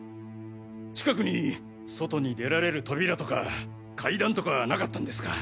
近くに外に出られる扉とか階段とかなかったんですか？